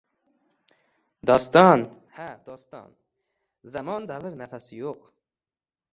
Doston, ha, doston! Zamon, davr nafasi yo‘q.